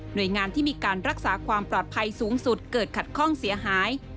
โดยงานที่มีการรักษาความปลอดภัยสูงสุดเกิดขัดข้องเสียหาย